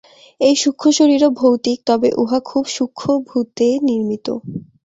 এই সূক্ষ্মশরীরও ভৌতিক, তবে উহা খুব সূক্ষ্মভূতে নির্মিত।